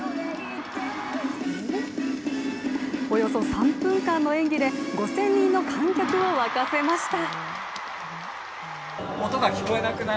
およそ３分間の演技で５０００人の観客を沸かせました。